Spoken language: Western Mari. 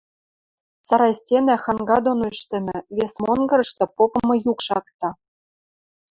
Сарай стенӓ ханга доно ӹштӹмӹ, вес монгырышты попымы юк шакта.